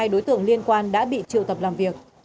ba mươi hai đối tượng liên quan đã bị triệu tập làm việc